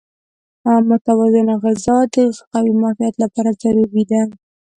متوازن غذا د قوي معافیت لپاره ضروري ده.